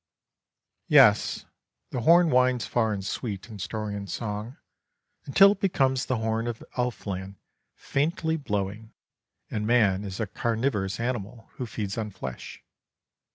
'" Yes, the horn winds far and sweet in story and song, until it becomes the horn of elf land faintly blowing, and man is a carnivorous animal who feeds on flesh.